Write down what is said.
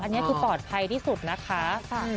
อันนี้คือปลอดภัยที่สุดนะคะ